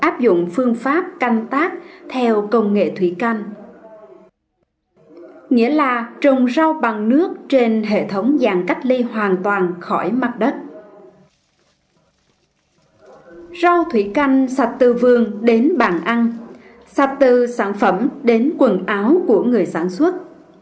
sạp từ sản phẩm đến quần áo của người sản xuất